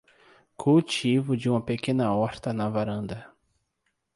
Cultivo de uma pequena horta na varanda